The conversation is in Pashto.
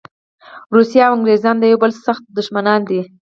روسیه او انګریزان د یوه بل سخت دښمنان دي.